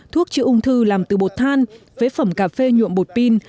thuốc chữa ung thư làm từ bột than phế phẩm cà phê nhuộm bột pin